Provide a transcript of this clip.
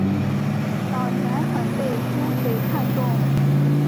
早年很被朱圭看重。